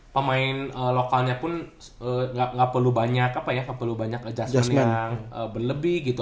pemain lokalnya pun nggak perlu banyak adjustment yang berlebih gitu